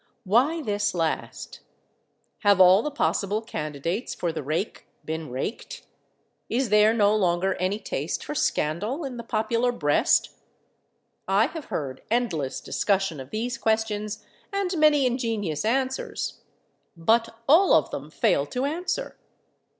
Why this last? Have all the possible candidates for the rake been raked? Is there no longer any taste for scandal in the popular breast? I have heard endless discussion of these questions and many ingenious answers, but all of them fail to answer.